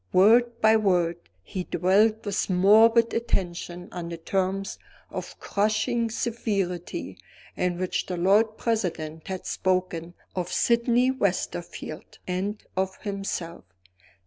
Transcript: Word by word, he dwelt with morbid attention on the terms of crushing severity in which the Lord President had spoken of Sydney Westerfield and of himself.